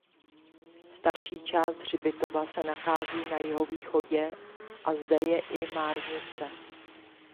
Starší část hřbitova se nachází na jihovýchodě a zde je i márnice.